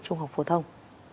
trung học phổ thông